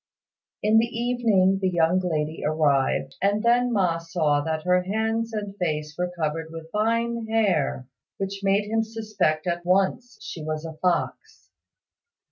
In the evening the young lady arrived, and then Ma saw that her hands and face were covered with fine hair, which made him suspect at once she was a fox.